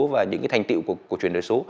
và những cái thành tựu của chuyển đổi số